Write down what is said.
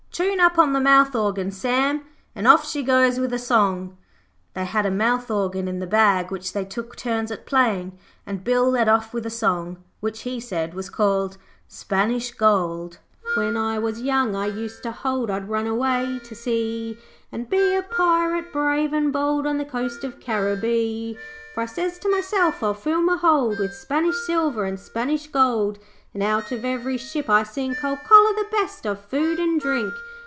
Tune up on the mouth organ, Sam, an' off she goes with a song.' They had a mouth organ in the bag which they took turns at playing, and Bill led off with a song which he said was called SPANISH GOLD 'When I was young I used to hold I'd run away to sea, And be a Pirate brave and bold On the coast of Caribbee. 'For I sez to meself, "I'll fill me hold With Spanish silver and Spanish gold, And out of every ship I sink I'll collar the best of food and drink.